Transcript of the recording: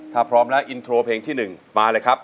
ถ้าพร้อมแล้วอินโทรเพลงที่๑มาเลยครับ